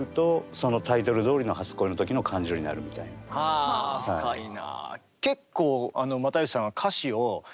はあ深いな。